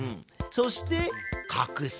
そして「隠す」。